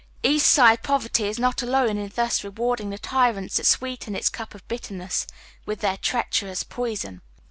East Side poverty is not alone in thns rewarding the ty rants that sweeten its cup of bitterness with then treach erous poison.